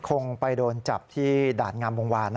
คงไปโดนจับที่ด่านงามวงวาน